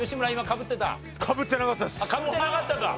かぶってなかったんだ！